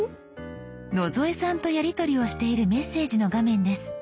野添さんとやりとりをしているメッセージの画面です。